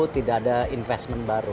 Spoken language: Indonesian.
tidak ada investment baru